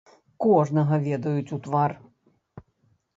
Кожнага ведаюць у твар.